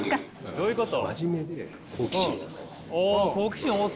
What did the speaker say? どういうこと？